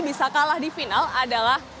bisa kalah di final adalah